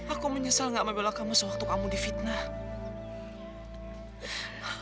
aku menyesal gak membela kamu sewaktu kamu di fitnah